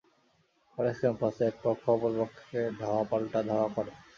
College ক্যাম্পাসে একপক্ষ অপর পক্ষকে ধাওয়া পাল্টা ধাওয়া করে।